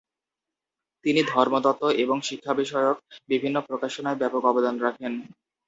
তিনি ধর্মতত্ত্ব ও শিক্ষাবিষয়ক বিভিন্ন প্রকাশনায় ব্যাপক অবদান রাখেন।